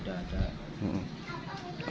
ada yang udah ada